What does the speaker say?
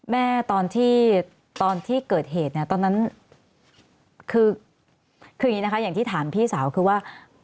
แม่ตอนที่เกิดเหตุตอนนั้นคืออย่างที่ถามพี่สาวคือว่า